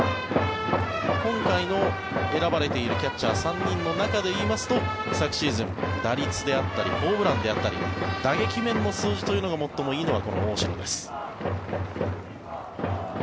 今回の選ばれているキャッチャー３人の中でいいますと昨シーズン、打率であったりホームランであったり打撃面の数字が最もいいのはこの大城です。